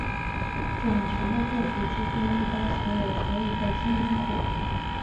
种群的个体之间一般享有同一个基因库。